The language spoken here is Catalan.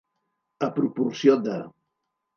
A proporció de.